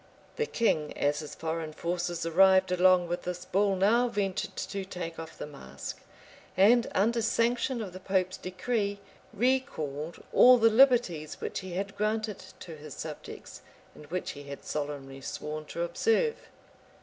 The king, as his foreign forces arrived along with this bull now ventured to take off the mask; and, under sanction of the pope's decree, recalled all the liberties which he had granted to his subjects, and which he had solemnly sworn to observe.